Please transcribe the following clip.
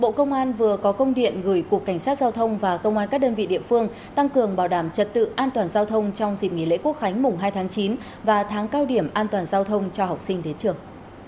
bộ công an vừa có công điện gửi cục cảnh sát giao thông và công an các đơn vị địa phương tăng cường bảo đảm trật tự an toàn giao thông trong dịp nghỉ lễ quốc khánh mùng hai tháng chín và tháng cao điểm an toàn giao thông cho học sinh đến trường